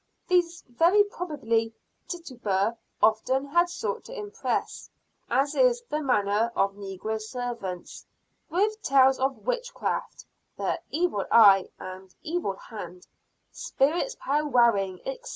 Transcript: These very probably, Tituba often had sought to impress, as is the manner of negro servants, with tales of witchcraft, the "evil eye" and "evil hand" spirits, powwowing, etc.